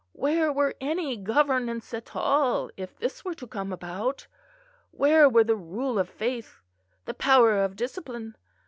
Where were any governance at all, if all this were to come about? where were the Rule of Faith? the power of discipline?